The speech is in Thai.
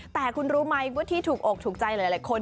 แต่คุณรู้ไหมว่าที่ถูกอกถูกใจหลายคน